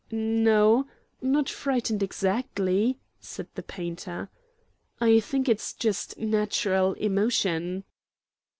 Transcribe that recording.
"No, not frightened, exactly," said the painter. "I think it's just natural emotion."